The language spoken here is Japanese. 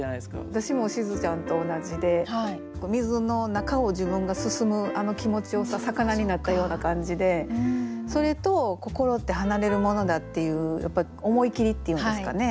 私もしずちゃんと同じで水の中を自分が進むあの気持ちを魚になったような感じでそれと「心って離れるものだ」っていうやっぱり思い切りというんですかね